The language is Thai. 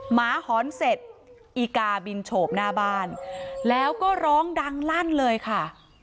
หมาหอนเสร็จอีกาบินโฉบหน้าบ้านแล้วก็ร้องดังลั่นเลยค่ะ